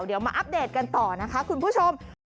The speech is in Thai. เดี๋ยวมาอัปเดตกันต่อนะคะคุณผู้ชม